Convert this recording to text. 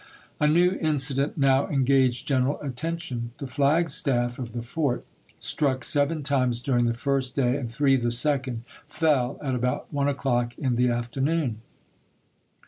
A new incident now engaged general attention. The flag staff of the fort, struck seven times dur ing the first day and three the second, fell at about one o'clock in the afternoon.